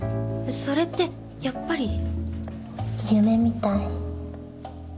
それってやっぱり夢みたい。